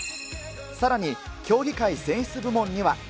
さらに、協議会選出部門には。